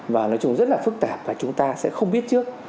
và nói chung rất là phức tạp và chúng ta sẽ không biết trước